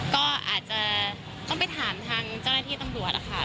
ก็อาจจะต้องไปถามทางเจ้าหน้าที่ตำรวจค่ะ